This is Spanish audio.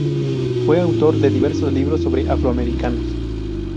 Fue autor de diversos libros sobre afroamericanos.